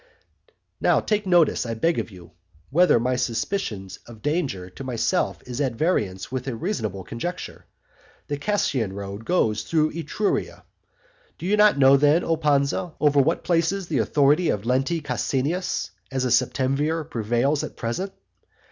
Now, take notice, I beg of you, whether my suspicion of danger to myself is at variance with a reasonable conjecture. The Cassian road goes through Etruria. Do we not know then, O Pansa, over what places the authority of Lenti Caesennius, as a septemvir, prevails at present?